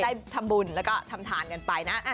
ได้ทำบุญแล้วก็ทำทานกันไปนะ